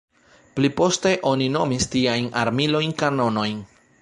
Pliposte oni nomis tiajn armilojn kanonojn.